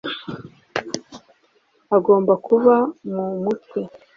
agomba kuba mu mutwe